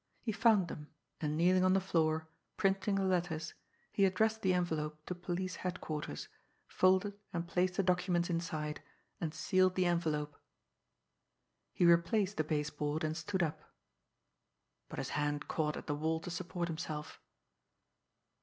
He found them, and, kneeling on the floor, printing the letters, he addressed the envelope to police headquarters, folded and placed the documents inside, and sealed the envelope. He replaced the base board, and stood up but his hand caught at the wall to support himself.